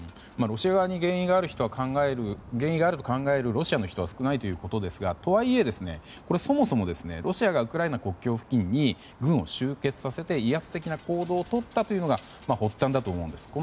ロシア側に原因があると考えるロシアの人は少ないということですが、とはいえそもそも、ロシアがウクライナ国境付近に軍を集結させて威圧的な行動をとったのが発端だと思うんです。